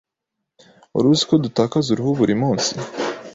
Wari uziko dutakaza uruhu buri munsi?